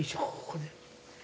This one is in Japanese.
ここで。